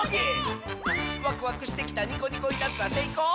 「ワクワクしてきたニコニコいたずら」「せいこう？